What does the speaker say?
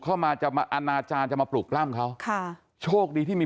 เมื่อเวลามันกลายเป้าหมายแล้วมันกลายเป้าหมายแล้วมันกลายเป้าหมาย